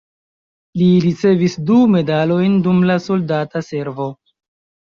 Li ricevis du medalojn dum la soldata servo.